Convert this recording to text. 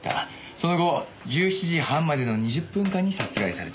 その後１７時半までの２０分間に殺害された。